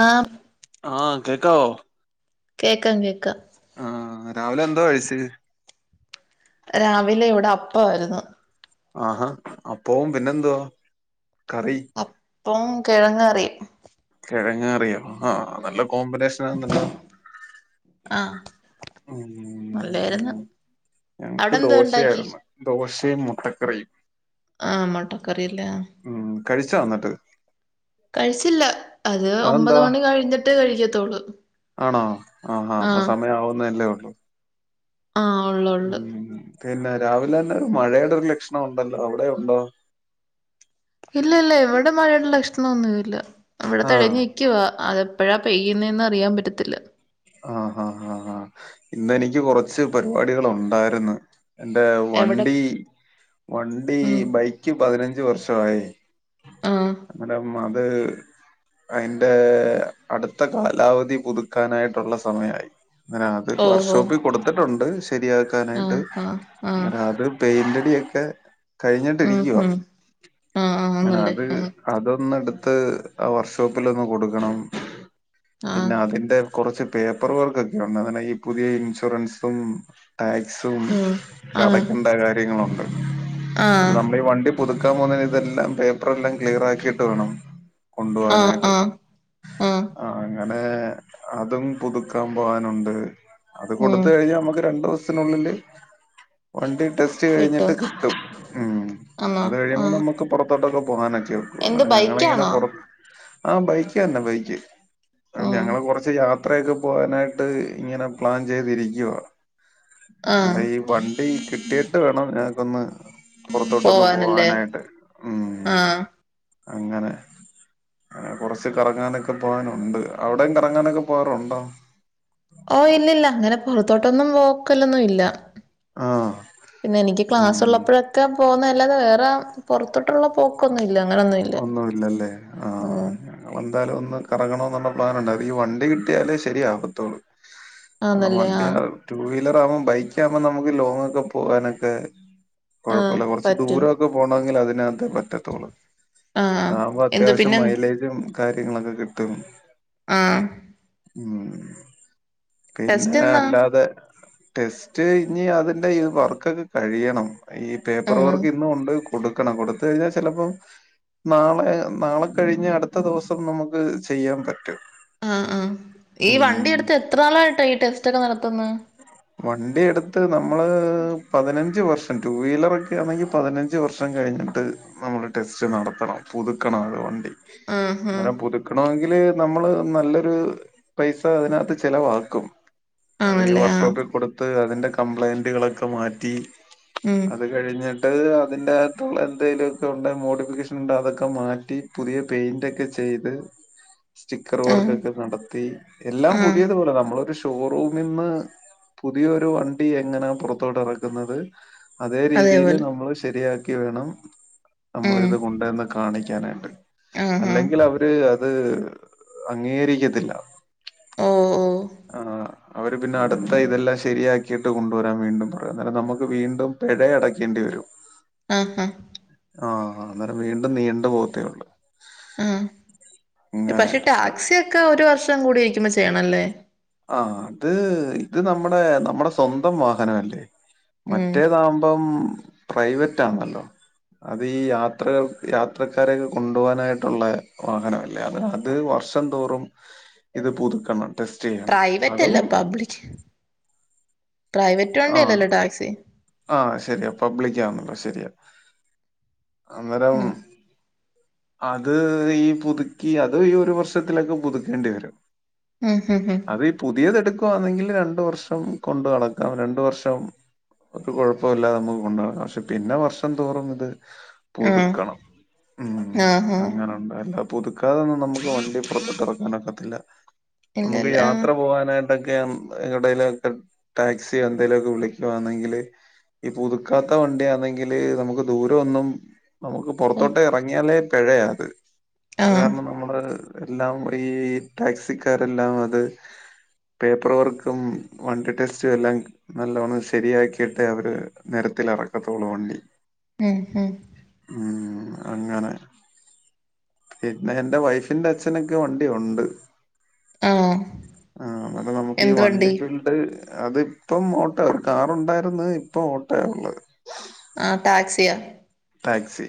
ആഹ്. ആഹ് കേക്കാവോ? കേക്കാം കേക്കാം. ആഹ് രാവിലെ എന്തോ കയ്ച്ചെ? രാവിലെ ഇവിടെ അപ്പാവാരുന്നു. ആഹാ അപ്പോവും പിന്നെന്തുവാ കറി? അപ്പൊ കെഴങ്ങ് കറിയും. കെഴങ്ങ് കറിയോ ആഹ് നല്ല ഉം കോമ്പിനേഷനാണല്ലോ. ആഹ്. നല്ലായിരുന്നു ഉം ഞങ്ങക്ക് അവിടെ എന്താ ഉണ്ടാക്കി ദോശയായിര്ന്ന്. ദോശയും മുട്ടക്കറിയും. ആഹ് മട്ടൻ കറി അല്ല. ഉം കഴിച്ചോ എന്നട്ട്? കഴിച്ചില്ല അത് ഒമ്പത് അതെന്താ മണി കഴിഞ്ഞിട്ടെ കഴിക്കത്തൊള്ളൂ. ആണോ ആഹാ അപ്പൊ സമയം ആവുന്നല്ലേ ഒള്ളൂ. ആഹ് ഒള്ളൂ. ഉം പിന്നെ രാവിലെന്നെ മഴയുടെ ഒരു ലക്ഷണം ഉണ്ടല്ലോ അവിടെ ഉണ്ടോ? ഇല്ല ഇല്ല ഇവിടെ മഴയുടെ ലക്ഷണന്നുംല്ല ഇവിടെ ആഹ് തെളിഞ്ഞ്. ക്കുവാ അതെപ്പെഴാ പെയ്യുന്നെന്ന് അറിയാൻ പറ്റത്തില്ല. ആഹ് ഹാ ഹാ ഇന്ന് എനിക്ക് കൊറച്ച് പരിപാടികൾ ഒണ്ടായിരുന്ന്. എന്റെ എവിടെ വണ്ടി വണ്ടി ഉം ബൈക്ക് പതിനഞ്ച് വർഷവായേ. ആഹ് അങ്ങനെമത്. അയ്ന്റെ അടുത്ത കാലാവധി പുതുക്കാനായിട്ടുള്ള സമയായി. ആ അത് ഓഹോ വർക്ഷോപ്പി കൊടുത്തിട്ടുണ്ട് ശരിയാക്കാനായിട്ട്. ആഹ് ആഹ് ആഹ് രാവിലെ പെയിന്റടിയൊക്കെ. കഴിഞ്ഞിട്ട് ഉം ഇരിക്കുവ, ഉം ആഹ് അങ്ങനെ ആന്നല്ലേ അത്. ആഹ് അതൊന്ന്ടുത്ത് ആ വർക്ഷോപ്പിലൊന്ന് കൊടുക്കണം ആഹ് പിന്നെ അതിന്റെ. കൊറച്ച് പേപ്പർ വർക്കൊക്കെ ഉണ്ട് അങ്ങനെ ഈ പുതിയ ഇൻഷുറൻസും. ടാക്സും ആഹ് ആഹ് ഒക്കടക്കേണ്ട കാര്യങ്ങളുണ്ട്. അയ്ന്‌ ആഹ് നമ്മളീ വണ്ടി പുതുക്കാൻ പോവുന്നേന് ഇതെല്ലാം പേപ്പർ എല്ലാം ക്ലിയർ ആക്കിട്ട് വേണം. ആഹ് കൊണ്ടുവാനായിട്ട് ആഹ് ആഹ് ആ അങ്ങനെ. അതും പുതുക്കാൻ പോവാനുണ്ട് അത് ഉം കൊടുത്ത് കഴിഞ്ഞാ നമ്മുക്ക് രണ്ടു ദൊവസം. ത്തിനുള്ളില് വണ്ടി ടെസ് റ്റ് കഴിഞ്ഞിട്ട് കിട്ടും ഉം ആന്നോ അത് കഴിയുമ്പോ ആഹ് നമ്മുക്ക് പുറത്തോട്ടൊക്കെ പോകാനൊക്കെ. എന്ത് ഓഹ് ഞങ്ങളങ്ങനെ ബൈക്കാണോ പൊർ ആ ബൈക്കന്നെ ബൈക്ക് ഉം ഞങ്ങള് കൊറച്ച് ച്ച് യാത്രയൊക്കെ പോവാനായിട്ട് ഇങ്ങനെ പ്ലാൻ ചെയ്തിരിക്കുവ. ആഹ് അന്നേരം ഈ വണ്ടി കിട്ടിയിട്ട് വേണം ഞങ്ങക്കൊന്ന്. പൊറത്തോട്ടൊന്ന് പോവാനല്ലേ പോവാനായിട്ട് ഉം. ആഹ് അങ്ങനെ കൊറച്ച് കറങ്ങാനൊക്കെ പോവാനുണ്ട് അവിടെയും കറങ്ങാനൊക്കെ. പോവാറുണ്ടോ? ഓ ഇല്ലില്ല അങ്ങനെ പൊറത്തോട്ടൊന്നും പോക്കലൊന്നും ഇല്ല. ആഹ്. പിന്നെ എനിക്ക് ക്ലാസ്സ് ഉം. ഉള്ളപ്പോഴൊക്കെ പോകുന്ന അല്ലാതെ വേറെ പൊറത്തോട്ടുള്ള പോ ക്കൊന്നുംല്ല അങ്ങനൊന്നുല്ല ഉം. ഞങ്ങള് എന്താലും ഒന്ന് കറങ്ങണന്നുള്ള പ്ലാൻ ഉണ്ട് അത് ഈ വണ്ടി കിട്ടിയാലേ ശരിയാവത്തൊള്ളു. കാരണം ആന്നല്ലേ വണ്ടി ആഹ് ടു വീലർ ആവുമ്പം ബൈക്കാവുമ്പോം നമുക്ക് ലോങ്ങാക്കെ പോകാനൊക്കെ. ആഹ് കൊഴപ്പുല്ല കൊറച്ച് പറ്റും ദൂരമൊക്കെ പോണങ്കി അതിനകത്തേ പറ്റത്തുള്ളൂ. ആഹ് അ ആവുമ്പൊ എന്ത് അത്യാവശ്യം പിന്നെ മൈലേജും കാര്യങ്ങളൊക്കെ കിട്ടും. ആഹ്. ഉം പിന്നെ ടെസ്റ്റ് എന്നാ അല്ലാതെ. ടെസ്റ്റ് കഴിഞ് അതിന്റെ ഈ വർക്കൊക്കെ കഴിയണം ഈ പേപ്പർ ആഹ് വർക്ക് ഇന്നുണ്ട് കൊടുക്കണം കൊടുത്ത് കഴിഞ്ഞ ചിലപ്പോ നാളെ നാളെ കഴിഞ്ഞ അടുത്ത ദിവസം നമ്മക്ക് ചെയ്യാൻ പറ്റും ആഹ് ആഹ് ഈ വണ്ടി ഉം എടുത്ത് എത്രാളായിട്ടാ ഈ ടെസ്റ്റ് ഒക്കെ നടത്തുന്നെ? വണ്ടി എടുത്ത് നമ്മള് പതിനഞ്ച് വർഷം ടു വീലറൊക്കെ ആണെങ്കിൽ പതിനഞ്ച് ഞ്ച് വർഷം കഴിഞ്ഞിട്ട് നമ്മള് ടെസ്റ്റ് നടത്തണം പുതുക്കണം അത് വണ്ടി ആഹ് അങ്ങനെ ആഹ് പുതു ക്കണമെങ്കില് നമ്മള് നല്ലൊരു പൈസ അതിനകത്ത് ചെലവാക്കും അത് ഈ ആണല്ലേ ആഹ് വർഷോപ്പിൽ കൊടുത്ത് അതിന്റെ കംപ്ലൈയിന്റുകളൊക്കെ മാറ്റി ഉം അത് കഴിഞ്ഞിട്ട് അതിന്റെ അകത്തുള്ള എന്തെലൊക്കെ ഉണ്ടെ മോഡിഫിക്കേഷൻ ഉണ്ടെ അതൊക്കെ മാറ്റി പുതിയ പെയിന്റൊക്കെ ചെയ്ത് സ്റ്റിക്കർ ആഹ് വർക്കൊക്കെ നടത്തി എല്ലാം ആഹ് പുതിയത്പോലെ നമ്മളൊരു ഷോറൂമിന്ന് പുതിയൊരു വണ്ടി എങ്ങനാ പുറത്തോട്ട് എറക്കുന്നത് അതേ രീതിയിൽ അതേപോലെ നമ്മള് ശരിയാക്കി വേണം ഉം നമ്മള്ളിത് കൊണ്ടന്ന് കാണിക്കാനായിട്ട് ആഹ് ആഹ് അല്ലെങ്കിൽ അവര് അത് അംഗീകരിക്കത്തില്ല. ഓഹ് ഓഹ് ആഹ്. അവര് പിന്നെ അടുത്ത ഇതെല്ലാം ശരിയാക്കിയിട്ട് കൊണ്ടുവരാൻ വീണ്ടും പറയും അന്നേരം നമുക്ക് വീണ്ടും പിഴ അടയ്ക്കേണ്ടി വരും. [inaudible] ആഹ് ഹ ആഹ് അന്നേരം വീണ്ടും നീണ്ട് പോവത്തേ ഒള്ളൂ ആഹ് പക്ഷെ ടാക്സിയൊക്കെ ഒരു വർഷം കൂടി ഇരിക്കുമ്പോ ചെയ്യണംല്ലേ? ആ അത് ഇത് നമ്മുടെ നമ്മുടെ സ്വന്തം വാഹനം അല്ലേ. ഉം മറ്റേതാവുമ്പം പ്രൈവറ്റ് ആന്നല്ലോ അത് ഈ യാത്രകൾ യാത്രക്കാരെയക്കെ കൊണ്ടുപോകാനായിട്ടുള്ള വാഹനമല്ലേ അത് ഇത് വർഷം തോറും ഇത് പുതുക്കണം ടെസ്റ്റ് ചെയ്യണം പ്രൈവറ്റ് അതും അല്ല പ്രൈവറ്റ് വണ്ടി അല്ലല്ലോ ടാക്സി. ആഹ് ശെരിയാ പബ്ലിക്കാന്നല്ലോ ശെരിയാ അന്നേരം ഉം അത് ഈ പുതുക്കി അത് ഈ ഒരു വർഷത്തിലൊക്കെ പുതുക്കേണ്ടി വരും. ഉം ഉം ഹ് അത് ഈ പുതിയത് എടുക്കുവാണെങ്കിൽ രണ്ടു വർഷം കൊണ്ട് നടക്കാം രണ്ട് വർഷം ഒരു കുഴപ്പുംല്ലാതെ നമുക്ക് കൊണ്ടടക്കാം പക്ഷെ പിന്നെ വർഷം തോറും ഇത് ആഹ് പുതുക്കണം ഉം ആഹ് ആഹ് അങ്ങനെ. ല്ല പുതുക്കാതെൊന്നും നമുക്ക് വണ്ടി പുറതോട്ടിറക്കാനൊക്കത്തില്ല നമുക്ക് ഇല്ലല്ല ആഹ് യാത്ര പോവാനായിട്ടൊക്കെ എങ്ങട്ടെലൊക്കെ. ടാക്സിയോ എന്തേലൊക്കെ വിളിക്കുവാന്നെങ്കില് ഈ പുതുക്കാത്ത വണ്ടിയാന്നെങ്കില് നമുക്ക് ദൂരം ഒന്നും നമുക്ക് ഓ പുറത്തോട്ടേ ഇറങ്ങിയാലേ പെഴയാത് അത് ആഹ് കാരണം നമ്മള് എല്ലാം ഈ ടാക്സിക്കാരെല്ലാം അത് പേപ്പർ വർക്കും വണ്ടി ടെസ്റ്റ് സ്റ്റെല്ലാം നല്ലോണം ശരിയാക്കിയിട്ടെ അവര് നിരത്തില് എറക്കത്തോള്ളൂ വണ്ടി. ഉം ഹം ഉം അങ്ങനെ പിന്നെ എന്റെ വൈഫിന്റെ അച്ഛനൊക്കെ വണ്ടി ഒണ്ട് ആഹ് ആ അന്നൊക്കെ നമ്മക്ക് ഈ വണ്ടി ഫീൽഡ്. അത് ഇപ്പം ഓട്ടോയാ കാറുണ്ടായിരുന്നു ഇപ്പം ഓട്ടോയാ ഉള്ളേ. ആ ടാക്സിയാ. ടാക്സി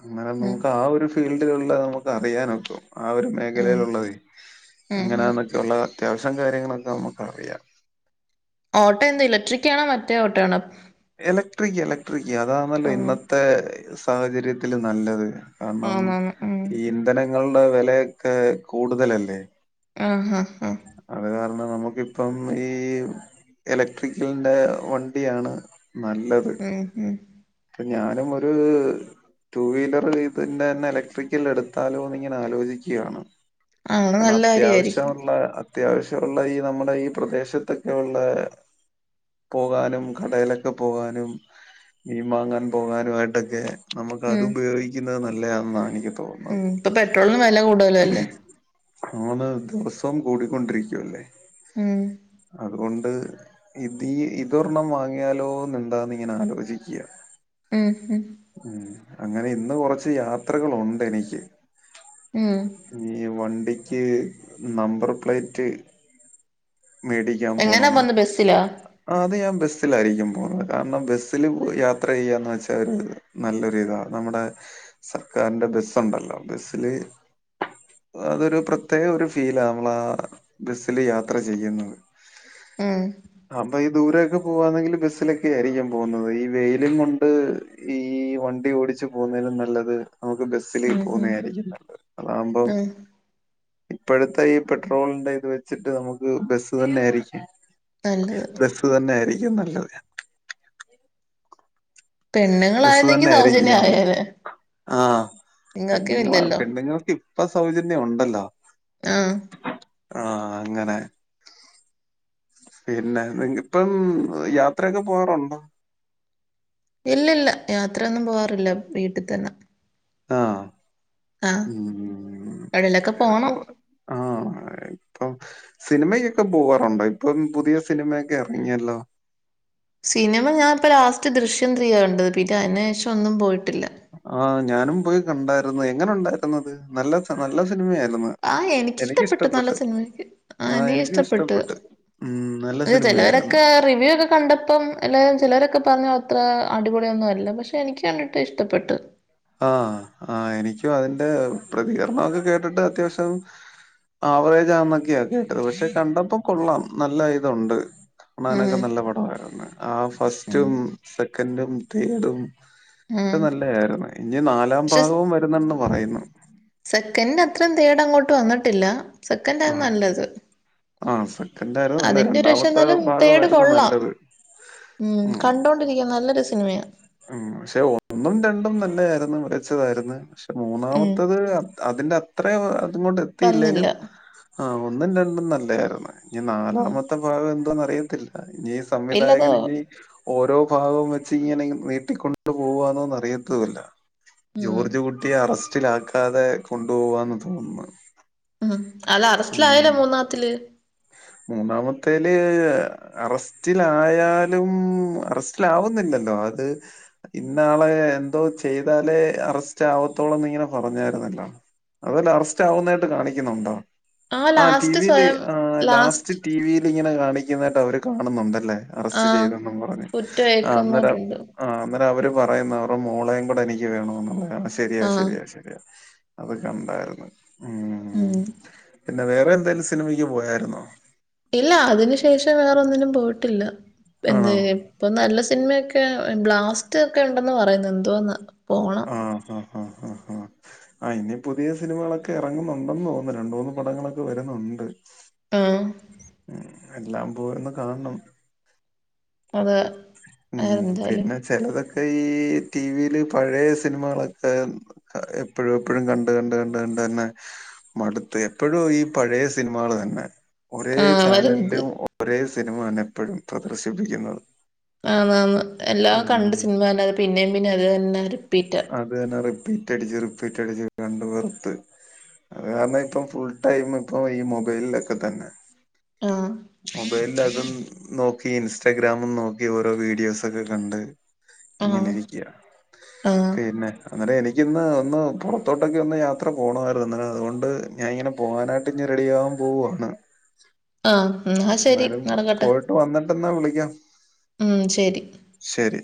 അങ്ങനെ ഉം നമുക്ക് ആ ഒരു ഫീൽഡിലുള്ള നമുക്ക് അറിയാനൊക്കും. ആ ഒരു ഉം മേഖലയിലുള്ളതെ ഉം ഉം എങ്ങനാന്നൊക്കെയുള്ള അത്യാവശ്യം കാര്യങ്ങളൊക്കെ നമുക്കറിയാം. ഓട്ടോ എന്താ ഇലക്ട്രിക്കാണോ മറ്റേ ഓട്ടോ ആണോ? എലക്ട്രിക്ക് എലക്ട്രിക്ക് അതാന്നല്ലോ ആഹ് ഇന്നത്തെ സാഹചര്യത്തില് നല്ലത് കാരണം ആന്നാന്ന് ഉം ഈ ഇന്ധനങ്ങളുടെ വെലയൊക്കെ കൂടുതലല്ലേ. ആഹാ ഹാ അത് കാരണം നമുക്കിപ്പം ഈ എലക്ട്രിക്കലിന്റെ വണ്ടിയാണ് നല്ലത് ഉം ഉം ഇപ്പം ഞാനും ഒര് ടൂ വീലർ ഇതിന്റെയന്നെ ഇലക്ട്രിക്കൽ എടുത്താലോന്നിങ്ങനെ ആലോചിക്കുകയാണ്. അങ്ങനെ നല്ല കാര്യായിരിക്കും അത്യാവശ്യഒള്ളെ അത്യാവശ്യ ഒള്ളെ ഈ നമ്മുടെ ഈ പ്രദേശത്തൊക്കെയുള്ളെ പോവാനും കടേലൊക്കെ പോവാനും മീൻ വാങ്ങാൻ പോകാനുമായിട്ടൊക്കെ നമുക്ക് അത് ഉം ഉപയോഗിക്കുന്നത നല്ലയാന്നാണ് എനിക്ക് തോന്നു ഉം ഇപ്പം പെട്രോളിന് വെല കൂടുതലല്ലേ. ആന്ന് ദിവസോം കൂടിക്കൊണ്ടിരിക്കുവല്ലേ. ഉം അതുകൊണ്ട് ഇത് ഇതൊരെണ്ണം വാങ്ങിയാലോന്ന് എന്താന്നിങ്ങനെ ആലോചിക്ക്യ മ്മ്.. മ്മ്.. ഉം അങ്ങനെയിന്ന് കൊറച്ച് യാത്രകളുണ്ടെനിക്ക് ഉം... ഈ വണ്ടിക്ക് നമ്പർ പ്ലേറ്റ് മേടിക്കാൻ എങ്ങനാ പോണം പോന്നെ ബസ്സിലോ ആ അത് ഞാൻ ബസ്സിലായിരിക്കും പോണത് കാരണം ബസ്സില് യാത്ര ചെയ്യാന്ന് വെച്ചാൽ ഒര് നല്ലൊരിതാ നമ്മുടെ സർക്കാരിന്റെ ബസ്സുണ്ടല്ലോ ബസ്സില് അതൊരു പ്രത്യേക ഒരു ഫീലാ നമ്മള ആ ബസില് യാത്ര ചെ ചെയ്യുന്നത് ഉം അപ്പൊ അപ്പൊ ഈ ദൂരൊക്കെ പോവാന്നെങ്കില് ബസ്സിലൊക്കെ ആയിരിക്കും പോകുന്നത് ഈ വെയിലും കൊണ്ട് ഈ വണ്ടി ഓടിച്ച് പോന്നേലും നല്ലത് നമുക്ക് ബസില് ബസില് ഉം ഉം പോകുന്നതായിരിക്കും നല്ലത് അതാകുമ്പോം ഉം ഇപ്പോഴത്തെ ഈ പെട്രോളിന്റെ ഇത് വെച്ചിട്ട് നമുക്ക് ബസ്സ് തന്നെയായിരിക്കും നല്ലത് ബസ് തന്നെയായിരിക്കും നല്ലത്. ബസ്സ് പെണ്ണുങ്ങളായിരുന്നെങ്കി തന്നെയായിരിക്കും സൗജന്യം ഞാൻ വിളി ആയേനെ ആ നിങ്ങക്കും പെണ്ണുങ്ങള ഇല്ലല്ലോ പെണ്ണുങ്ങൾക്ക് ഇപ്പൊ സൗജന്യം ഒണ്ടല്ലോ. ആഹ് ആ അങ്ങനെ പിന്നെ നിങ്ങക്കിപ്പം യാത്രൊയൊക്കെ പോവാറുണ്ടോ? ഇല്ലില്ല യാത്രയൊന്നും പോവാറില്ല വീട്ടിത്തന്നെ ആഹ് മ്മ്... എവിടേലൊക്കെ പോണം ആ... ഇപ്പൊ സിനിമയ്ക്കൊക്കെ പോവാറുണ്ടോ ഇപ്പം പുതിയ സിനിമയൊക്കെ ഇറങ്ങിയല്ലോ സിനിമ ഞാനിപ്പോ ലാസ്റ്റ് ദൃശ്യം ത്രീ കണ്ടെ പിന്നെ അയ്ന് ശേഷം ഒന്നും പോയിട്ടില്ല. ആ ഞാനും പോയി കണ്ടായിരുന്നു എങ്ങനെ ഉണ്ടായിരുന്നത് നല്ല നല്ല സിനിമയായിരുന്നു. ആ എനിക്കിഷ്ടപ്പെട്ടു നല്ല സിനിമയൊക്കെയാ ആ എനിക്കും എനിക്കിഷ്ടപ്പെട്ടു ഇഷ്ടപ്പെട്ടു. ഉം. നല്ല സിനിമയായിരുന്നു. ചിലവരൊക്കെ റിവ്യൂ ഒക്കെ കണ്ടപ്പം എല്ലാരും ചില വരൊക്കെ പറഞ്ഞു അത്ര അടിപൊളിയൊന്നും അല്ല പക്ഷെ എനിക്ക് കണ്ടിട്ട് ഇഷ്ടപ്പെട്ട്. ആ ആ എനിക്കും അതിന്റെ പ്രതികരണൊക്കെ കേട്ടിട്ട് അത്യാവശ്യം ആവറേജ് ആന്നൊക്കെയ കേട്ടത് പക്ഷെ കണ്ടപ്പൊ കൊള്ളാം നല്ല ഇതുണ്ട് ണാനൊക്കെ ഉം നല്ല പടമായിരുന്നു. ആ ഉം ഫസ്റ്റും സെക്കൻഡും തേഡും ഒക്കെ ഉം നല്ലെയായിരുന്നേ. ഇനി നാലാം പക്ഷെ ഭാഗവും വരുന്നെന്ന് പറയുന്നു. സെക്കൻഡ് അത്രയും തേടങ്ങോട്ട് വന്നിട്ടില്ല ആ സെക്കൻഡാണ് നല്ലത്. ആ സെക്കൻഡായിരുന്നു നല്ലെ അതിന്റെ ഒരു പക്ഷെ രണ്ടാമത്തെ എന്നാലും തേർഡ് ഭാഗമായിരുന്നു കൊള്ളാം നല്ലത് മ്മ്. കണ്ടിരിക്കാൻ നല്ലൊരു സിനിമയാ. ഉം പക്ഷെ ഒന്നും രണ്ടും നല്ലതായിരുന്നു മികച്ചതായിരുന്നു പക്ഷെ ഉം മൂന്നാമത്തത് അതിന്റെ അത്ര അതു കൊണ്ട് വന്നില്ല എത്തിയില്ലേലും ആഹ് ഒന്നും രണ്ടും നല്ലതായിരുന്നു ഇനി ഉം നാലാമത്തെ ഭാഗം എന്തോന്ന അറിയത്തില്ല ഇനി ഇല്ലതോ സംവിധായകൻ ഇനി ഓരോ ഭാഗവും വെച്ച് ഇങ്ങനെ നീട്ടിക്കൊണ്ട് പോവാണോന്ന് അറിയത്തുല്ല ഉം ജോർജ് കുട്ടിയെ അറസ്റ്റിലാക്കാതെ കൊണ്ടുപോവാന്ന് തോന്നുന്നു ഉം അല ഉം. അറസ്റ്റിലായല്ലോ മൂന്നാത്തില് മൂന്നാമത്തേല് അറസ്റ്റിലായാലും അറസ്റ്റിലാവുന്നില്ലല്ലോ അത് ഇന്നാളെ എന്തോ ചെയ്താലേ അറസ്റ്റ് ആവത്തോളൂന്ന് ഇങ്ങനെ പറഞ്ഞായിരുന്നല്ലോ അതെല്ല അറസ്റ്റ് ആവുന്നതായിട്ട് കാണിക്കുന്നുണ്ടോ ആ ആഹ് ലാസ്റ്റ് ടിവിൽ സ്വയം ലാസ്റ്റ് ടിവിൽ ഇങ്ങനെ കാണിക്കുന്നതായിട്ട് അവര് കാണുന്നുണ്ടല്ലേ ആ അറസ്റ്റ് ചെയ്തെന്നും പറഞ്ഞ് കുറ്റം ആഹ് അന്നേരം ഏക്കുന്നവരുണ്ട് ആഹ് അന്നേരെ അവര് പറയുന്ന അവരെ മോളയും കൂടെ എനിക്ക് വേണ എന്നുള്ള ആഹ് ശരിയാ ആ ശരിയാ ശരിയാ അതൊക്കെ ഉണ്ടായിരുന്നു ഉം പിന്നെ വേറെ എന്തേലും സിനിമയ്ക്ക് പോയായിരുന്നോ ഇല്ല അതിനു ശേഷം വേറൊന്നിനും പോയിട്ടില്ല എന്ത് ആണോ ഇപ്പൊ നല്ല സിനിമയൊക്കെ ബ്ലാസ്റ്റ് ഒക്കെ ഉണ്ടെന്ന് പറയുന്നത് എന്തവാന്ന് ആഹ് ഹാ ഹാ ഹാ ഹാ ആഹ് ഇനി പുതിയ സിനിമകളൊക്കെ ഇറങ്ങുന്നുണ്ടെന്ന് തോന്നുന്നു രണ്ട് മൂന്ന് പടങ്ങളൊക്കെ വരുന്നുണ്ട് ആഹ് ഉം എല്ലാം പോയൊന്ന് കാണണം അതേ ഉം പിന്നെ ചെിലതൊക്കെ ഈ ടിവിൽ പഴയ സിനിമകളൊക്കെ എപ്പോഴും എപ്പോഴും കണ്ട് കണ്ട് കണ്ട് കണ്ട് തന്നെ മടുത്ത് എപ്പോഴും ഈ പഴയ സിനിമകൾ തന്നെ ഒരേ ആ വരുന്നത് ചാനലിലും ഒരേ സിനിമ തന്നെ എപ്പോഴും പ്രദർശിപ്പിക്കുന്നത് ആന്ന് ആന്ന് എല്ലാം കണ്ട് ഉം സിനിമ തന്നത് പിന്നേം പിന്നേം അത് തന്നാലും അത് തന്നെ റിപ്പീറ്റ് അടിച്ച് റിപ്പീറ്റ് അടിച്ച് കണ്ട് വെറുത്ത് അത് കാരണം ഇപ്പം ഫുൾ ടൈം ഇപ്പൊ ഈ മൊബൈലിലൊക്കെ തന്നെ ആഹ് മൊബൈലിൽ അതും നോക്കി ഇൻസ്റ്റഗ്രാമും നോക്കി ഓരോ വീഡിയോസ് ഒക്കെ കണ്ട് ഇങ്ങനിരിക്കയാ ആഹ് പിന്നെ അന്നിട്ട് എനിക്കിന്ന് ഒന്ന് പുറത്തോട്ടക്കെ ഒന്ന് യാത്ര പോകണമായിരുന്നു അതുകൊണ്ട് ഞാ ഇങ്ങനെ പോവാനായിട്ട് ഇഞ് റെഡിയാവാൻ പോവുവാണ് ആഹ് [unintelligible] എന്നാലും പോയിട്ട് വന്നിട്ട്ന്ന വിളിക്കാം ഉം ശരി ശരി